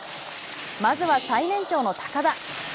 まずは最年長の高田。